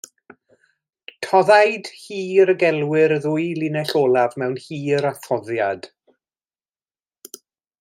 Toddaid hir y gelwir y ddwy linell olaf mewn hir a thoddaid.